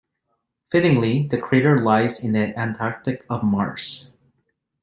Fittingly, the crater lies in the Antarctic of Mars.